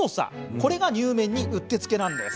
これが、にゅうめんにうってつけなんです。